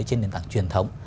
trên nền tảng truyền thống